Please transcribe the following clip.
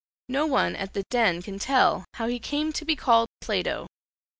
No one at The Den can tell how he came to be called Plato.